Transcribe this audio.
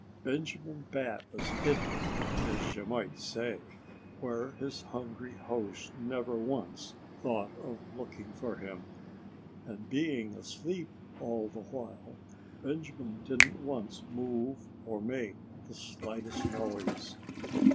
Benjamin Bat was hidden—as you might say—where his hungry host never once thought of looking for him. And being asleep all the while, Benjamin didn't once move or make the slightest noise.